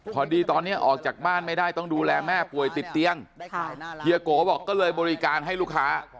พอดีตอนนี้ออกจากบ้านไม่ได้ต้องดูแลแม่ป่วยติดเตียงเฮียโกบอกก็เลยบริการให้ลูกค้า